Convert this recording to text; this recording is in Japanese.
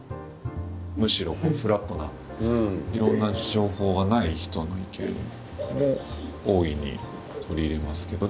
むしろフラットないろんな情報がない人の意見も大いに取り入れますけど。